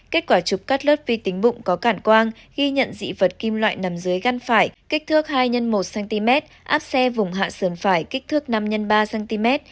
kết quả chụp cắt lớp vi tính bụng có cản quang ghi nhận dị vật kim loại nằm dưới găn phải kích thước hai x một cm áp xe vùng hạ sườn phải kích thước năm x ba cm